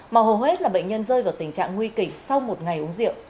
mà hầu hết là bệnh nhân rơi vào tình trạng nguy kịch sau một ngày uống rượu